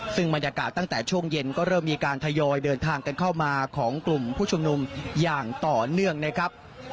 ซึ่งบรรยากาศตั้งแต่ช่วงเย็นก็เริ่มมีการทยอยเดินทางกันเข้ามาของกลุ่มผู้ชุมนุมอย่างต่อเนื่องนะครับ